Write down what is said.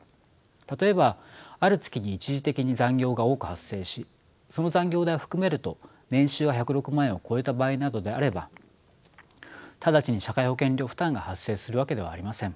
例えばある月に一時的に残業が多く発生しその残業代を含めると年収が１０６万円を超えた場合などであれば直ちに社会保険料負担が発生するわけではありません。